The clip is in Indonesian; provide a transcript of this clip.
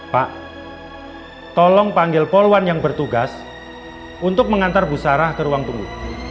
pak tolong panggil poluan yang bertugas untuk mengantar bu sarah ke ruang tunggu